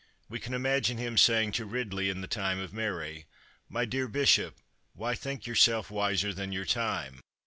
We can imagine him saying to Ridley in the time of Mary, "My dear bishop, why think yourself wiser than your time?"